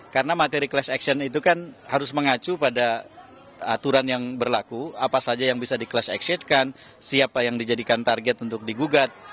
karena materi kelas aksyen itu kan harus mengacu pada aturan yang berlaku apa saja yang bisa di kelas aksyekan siapa yang dijadikan target untuk digugat